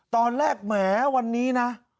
ตอนแรกแหมวันนี้นะ